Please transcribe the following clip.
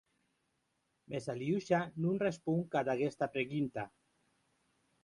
Mès Aliosha non responc ad aguesta pregunta.